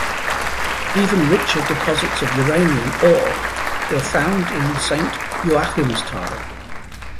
Even richer deposits of uranium ore were found in Saint Joachimsthal.